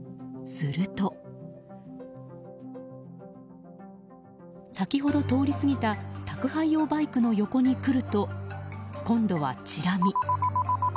すると、先ほど通り過ぎた宅配用バイクの横に来ると今度はちら見。